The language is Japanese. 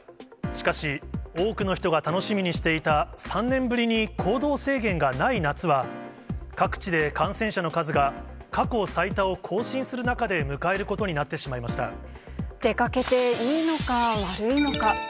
しかし、多くの人が楽しみにしていた、３年ぶりに行動制限がない夏は、各地で感染者の数が過去最多を更新する中で迎えることになってし出かけていいのか悪いのか。